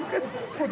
これ。